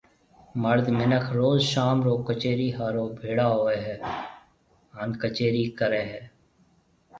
مرد منک روز شام رو ڪچيري ھارو ڀيݪا ھوئيَ ھيََََ ھان ڪچيرِي ڪرَي ھيََََ